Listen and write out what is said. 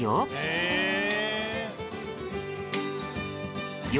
へえ。